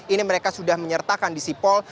ini mereka sudah menyertakan di sipol